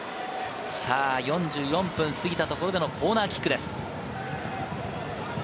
４４分を過ぎたところでのコーナーキックです。